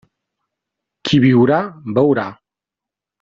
Qui viurà, veurà.